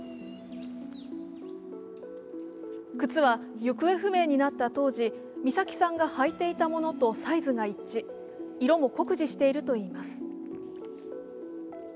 靴は、行方不明になった当時、美咲さんが履いていたものとサイズが一致、色も酷似しているといいます。